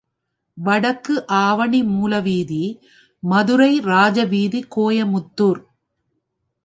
வடக்கு ஆவணி மூல வீதி, மதுரை ராஜ வீதி கோயமுத்தூர்.